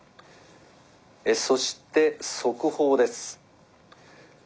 えそして速報です。